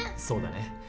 そうだね。